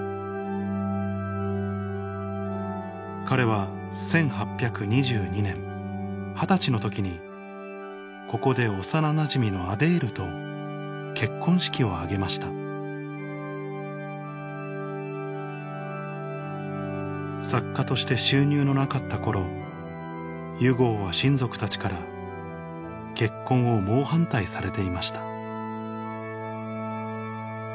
彼は１８２２年二十歳の時にここで幼なじみのアデールと結婚式を挙げました作家として収入のなかった頃ユゴーは親族たちから結婚を猛反対されていました